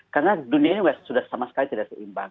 karena dunia ini sudah sama sekali tidak seimbang